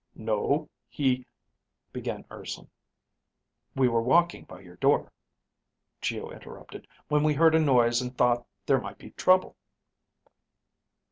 "No, he ..." began Urson. "We were walking by your door," Geo interrupted, "when we heard a noise and thought there might be trouble."